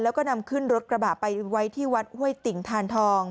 แล้วก็นำขึ้นรถกระบะไปไว้ที่วัดห้วยติ่งทานทอง